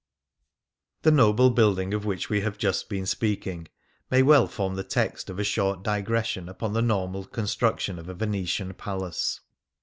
The noble building of which we have just been speaking may well form the text of a short digression upon the normal construction of a Venetian palace.